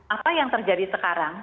apa yang terjadi sekarang